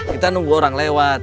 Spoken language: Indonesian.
kita nunggu orang lewat